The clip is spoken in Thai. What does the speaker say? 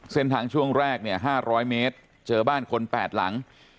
เส้นทางช่วงแรก๕๐๐เมตรเจอบ้านคน๘หลัง